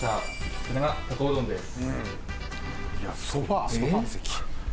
これがたこうどんです。